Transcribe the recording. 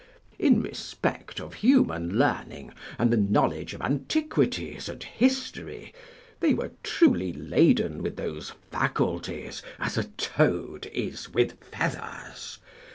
In respect of human learning and the knowledge of antiquities and history they were truly laden with those faculties as a toad is with feathers.